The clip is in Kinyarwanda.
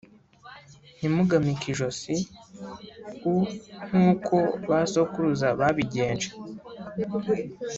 Ntimugamike ijosi u nk uko ba sokuruza babigenje